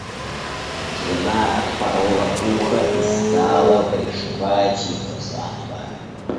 Жена отпорола ухо и стала пришивать его заново.